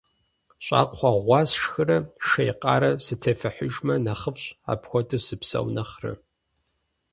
Щӏакхъуэ гъуа сшхырэ шей къарэ сытефыхьыжмэ нэхъыфӏщ, апхуэдэу сыпсэу нэхърэ.